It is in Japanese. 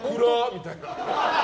みたいな。